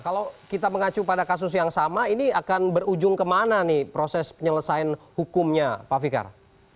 kalau kita mengacu pada kasus yang sama ini akan berujung kemana nih proses penyelesaian hukumnya pak fikar